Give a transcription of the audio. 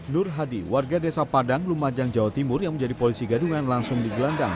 nur hadi warga desa padang lumajang jawa timur yang menjadi polisi gadungan langsung digelandang